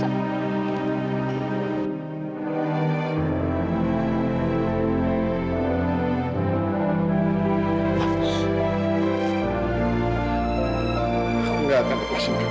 aku gak akan lepasin kamu